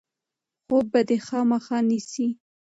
خوب به دی خامخا نیسي.